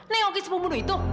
nengoki pembunuh itu